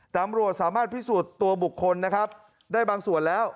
ตำรวจสามารถพิสูจน์ตัวบุคคลนะครับได้บางส่วนแล้ว